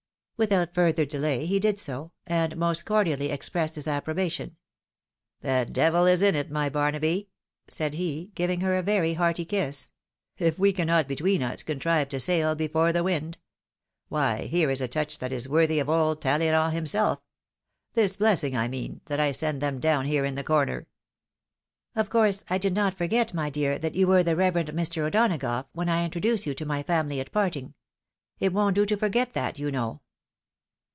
Without further delay he did so, and most cordially ex pressed his approbation. " The devil is in it, my Barnaby," said he, giving her a very hearty kiss, " if we cannot between us contrive to sail before the wind. Why, here is a touch that is worthy of old TaUeyraad himself; this blessing, I mean, that I send them down here in the corner." " Of course, I did not forget, my dear, that you were the Reverend Mr. O'Donagough, when I introduced you to my family at parting. It won't do to forget that, you know."